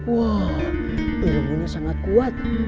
wow ilmunya sangat kuat